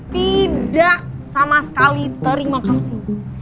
tidak sama sekali tering menghamsing